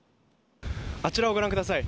あちらをご覧ください。